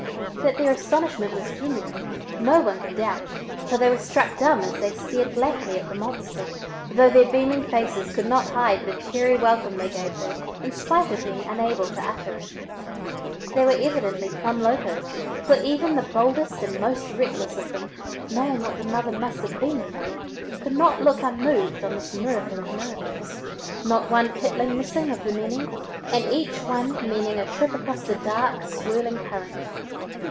That their astonishment was genuine, no one could doubt, for they were struck dumb as they stared blankly at the "monster," though their beaming faces could not hide the cheery welcome they gave her in spite of being unable to utter it. They were evidently "plumb locoed" for even the boldest and most reckless of them, knowing what the mother must have been through, could not look unmoved on this miracle of miracles not one kitling missing of the many, and each one meaning a trip across the dark, swirling current.